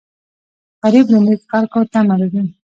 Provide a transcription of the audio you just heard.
غریب له نیکو خلکو تمه لري